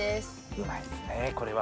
うまいですねこれは。